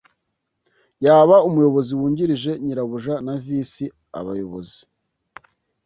Yaba umuyobozi wungirije nyirabuja na visi abayobozi